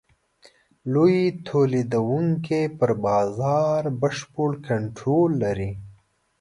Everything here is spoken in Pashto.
لوی تولیدوونکي پر بازار بشپړ کنټرول لري.